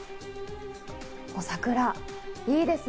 桜、いいですね。